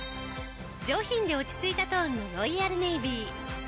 上品で落ち着いたトーンのロイヤルネイビー。